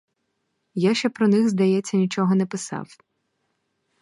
Я ще про них, здається, нічого не писав.